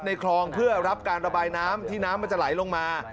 ในคลองเพื่อรับการระบายน้ำที่น้ำมันจะไหลลงมา